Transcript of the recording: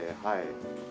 はい。